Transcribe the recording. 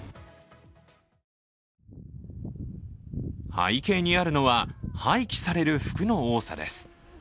背景にあるのは、廃棄される服の多さです。